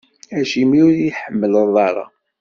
Acimi ur yi-tḥemmleḍ ara?